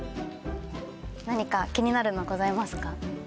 何か気になるのございますか？